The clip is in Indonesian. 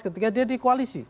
ketika dia di koalisi